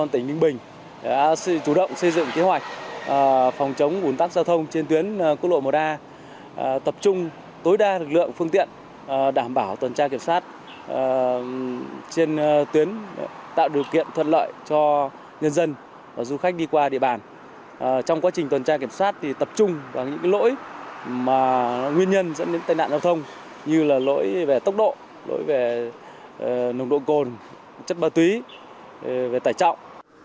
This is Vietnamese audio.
trong quá trình tuần tra kiểm soát thì tập trung vào những lỗi nguyên nhân dẫn đến tai nạn giao thông như là lỗi về tốc độ lỗi về nồng độ cồn chất ma túy về tài trọng